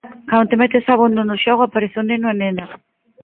Cando te metes abondo no xogo, aparece o neno, a nena.